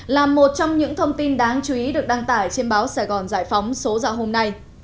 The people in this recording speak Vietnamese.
là một trong những thông tin đáng chú ý được đăng tải trên báo sài gòn giải phóng số ra hôm nay